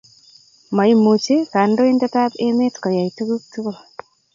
maimuche kandointeab emet koyai tokuk tukul